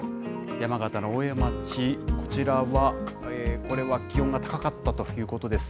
山形の大江町、こちらは、これは気温が高かったということです。